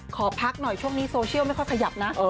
ขอพักหน่อยช่วงนี้โซเชียลไม่ค่อยขยับนะ